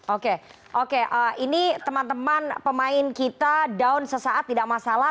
oke oke ini teman teman pemain kita down sesaat tidak masalah